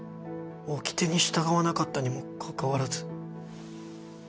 おきてに従わなかったにもかかわらず。